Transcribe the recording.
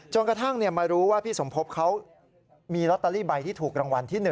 กระทั่งมารู้ว่าพี่สมภพเขามีลอตเตอรี่ใบที่ถูกรางวัลที่๑